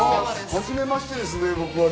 初めましてですね、僕は。